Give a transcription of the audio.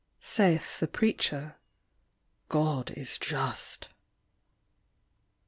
Saith the preacher :' God is just.'